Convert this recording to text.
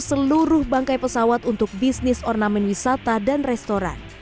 seluruh bangkai pesawat untuk bisnis ornamen wisata dan restoran